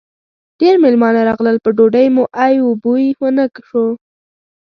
ډېر مېلمانه راغلل؛ په ډوډۍ مو ای و بوی و نه شو.